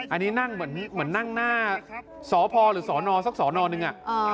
อันนี้นั่งเหมือนนั่งหน้าสพหรือสนสักสอนอนึง